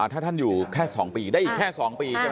ถ้าท่านอยู่แค่๒ปีได้อีกแค่๒ปีใช่ไหม